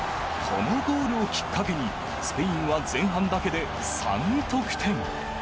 このゴールをきっかけにスペインは前半だけで３得点。